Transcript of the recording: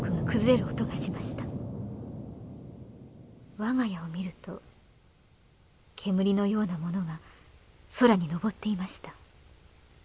我が家を見ると煙のようなものが空に昇っていました。